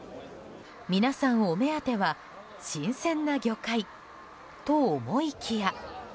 皆さん、お目当ては新鮮な魚介と思いきや。